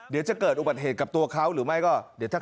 เดี๋ยวจะเกิดอุบัติเหตุกับตัวเขาหรือไม่ก็เดี๋ยวถ้า